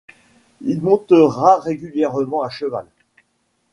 Il montera régulièrement à cheval.